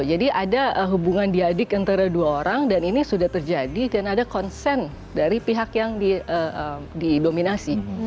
jadi ada hubungan diadik antara dua orang dan ini sudah terjadi dan ada consent dari pihak yang didominasi